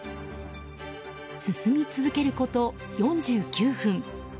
進み続けること４９分。